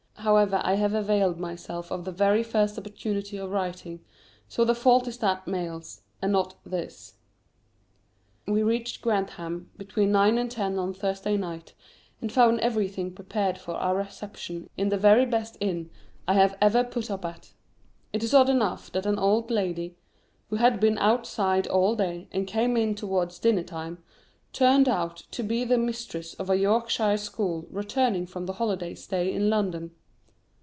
However, I have availed myself of the very first opportunity of writing, so the fault is that mail's, and not this. We reached Grantham between nine and ten on Thursday night, and found everything prepared for our reception in the very best inn I have ever put up at. It is odd enough that an old lady, who had been outside all day and came in towards dinner time, turned out to be the mistress of a Yorkshire school returning from the holiday stay in London.